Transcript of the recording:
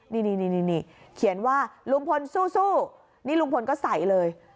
นี่เขียนว่าลุงพลสู้นี่ลุงพลก็ใส่เลย